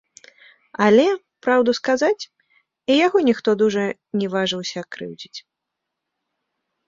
Але, праўду сказаць, і яго ніхто дужа не важыўся крыўдзіць.